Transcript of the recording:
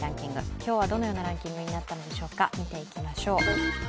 今日はどのようなランキングになったのでしょうか、見ていきましょう。